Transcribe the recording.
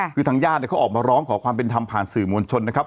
คือทางญาติเขาออกมาร้องขอความเป็นธรรมผ่านสื่อมวลชนนะครับ